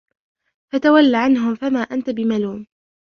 فَتَوَلَّ عَنْهُمْ فَمَا أَنْتَ بِمَلُومٍ